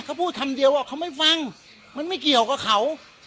เขาพูดคำเดียวว่าเขาไม่ฟังมันไม่เกี่ยวกับเขา